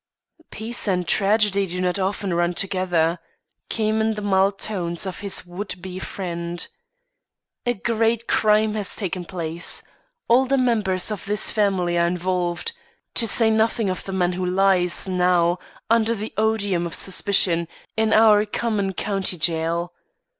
"Peace and tragedy do not often run together," came in the mild tones of his would be friend. "A great crime has taken place. All the members of this family are involved to say nothing of the man who lies, now, under the odium of suspicion, in our common county jail.